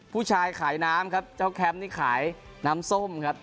ผู้ชายขายน้ำครับเจ้าแคมป์นี่ขายน้ำส้มครับ